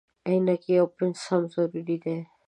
عینکې او پنس هم ضروري دي.